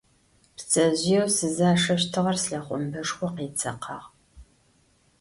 Пцэжъыеу сызашэщтыгъэр слъэхъомбэшхо къецэкъагъ